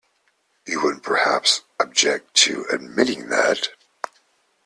You wouldn't perhaps object to admitting that?